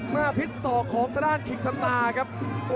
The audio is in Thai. มาพิษสอกของทดานกิงสนาครับ